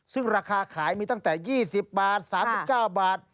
ซึ่งราคาขายมีตั้งแต่๒๐บาท๓๙บาท